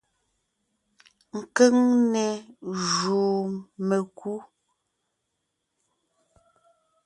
Keŋne jùu mekú.